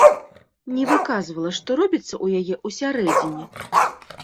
Не выказвала, што робіцца ў яе ўсярэдзіне.